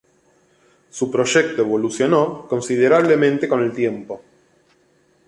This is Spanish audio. Su proyecto evolucionó considerablemente con el tiempo.